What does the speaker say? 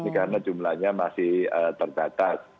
karena jumlanya masih terbatas